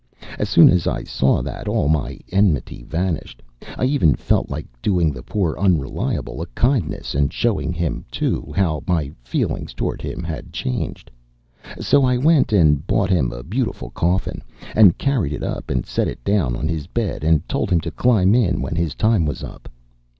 As soon as I saw that, all my enmity vanished; I even felt like doing the poor Unreliable a kindness, and showing him, too, how my feelings toward him had changed. So I went and bought him a beautiful coffin, and carried it up and set it down on his bed and told him to climb in when his time was up.